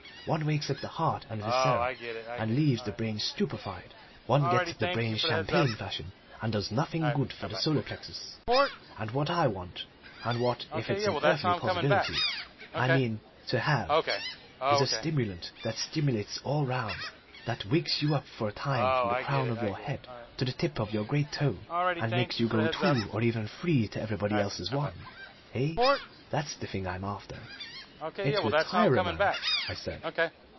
One wakes up the heart and viscera and leaves the brain stupefied, one gets at the brain champagne fashion and does nothing good for the solar plexus, and what I want and what, if it's an earthly possibility, I mean to have is a stimulant that stimulates all round, that wakes you up for a time from the crown of your head to the tip of your great toe, and makes you go two or even three to everybody else's one. Eh? That's the thing I'm after." "It would tire a man," I said.